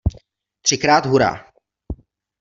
Třikrát hurá!!!